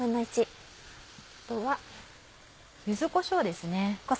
あとは柚子こしょうですね。